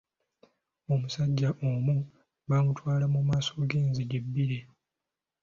Omusajja omu bamutwala mu maaso g'enzigi bbiri.